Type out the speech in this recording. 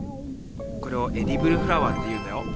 これを「エディブルフラワー」っていうんだよ。